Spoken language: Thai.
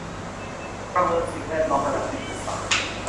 ประเมินสิ่งแวดล้อมระดับยุทธศาสตร์